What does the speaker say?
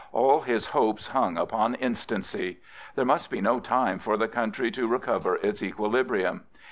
All his hopes hung upon instancy. There must be no time for the country to recover its equilibrium.